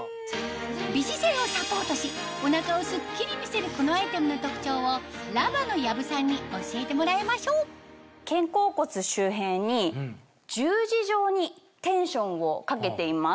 美姿勢をサポートしお腹をスッキリ見せるこのアイテムの特長をＬＡＶＡの養父さんに教えてもらいましょう肩甲骨周辺に十字状にテンションをかけています。